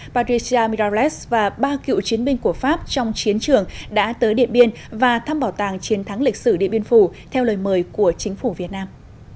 padricia mirales và ba cựu chiến binh của pháp trong chiến trường đã tới điện biên và thăm bảo tàng chiến thắng lịch sử điện biên phủ theo lời mời của chính phủ việt nam